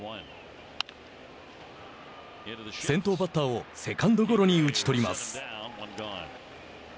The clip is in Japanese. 先頭バッターをセカンドゴロに打ち取ります。